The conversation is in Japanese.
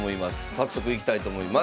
早速いきたいと思います。